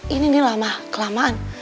ini nih lama kelamaan